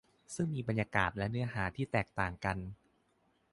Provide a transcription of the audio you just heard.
ซึ่งมีบรรยากาศและเนื้อหาแตกต่างกัน